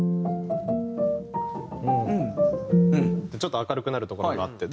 ちょっと明るくなるところがあって。